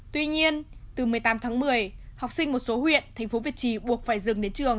tuy nhiên từ một mươi tám tháng một mươi học sinh một số huyện thành phố việt trì buộc phải dừng đến trường